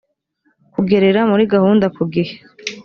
kugerera muri gahunda ku gihe